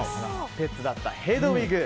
ペットだった、ヘドウィグ。